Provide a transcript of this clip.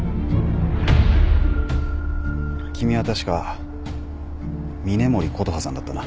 君は確か峰森琴葉さんだったな？